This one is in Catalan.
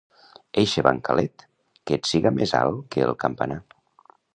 Eixe bancalet, que et siga més alt que el campanar.